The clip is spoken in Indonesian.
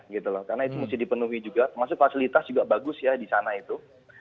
karena itu mesti dipenuhi juga termasuk fasilitas juga bagus ya di sana itu